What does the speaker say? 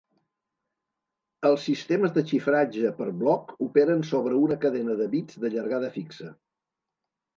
Els sistemes de xifratge per bloc operen sobre una cadena de bits de llargada fixa.